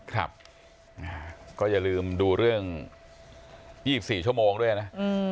ครับก็อย่าลืมดูเรื่อง๒๔ชั่วโมงด้วยนะ